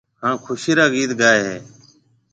هانَ خُوشِي را گِيت گائي هيَ۔